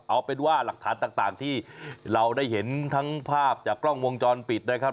เอาเป็นว่าหลักฐานต่างที่เราได้เห็นทั้งภาพจากกล้องวงจรปิดนะครับ